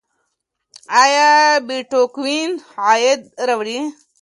ایا بېټکوین عاید راوړي؟